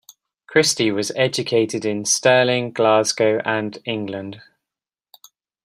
Christie was educated in Stirling, Glasgow and England.